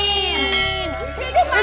hidup pak rt